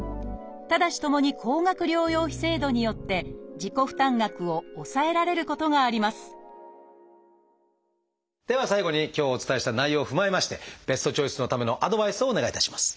ただしともに高額療養費制度によって自己負担額を抑えられることがありますでは最後に今日お伝えした内容を踏まえましてベストチョイスのためのアドバイスをお願いいたします。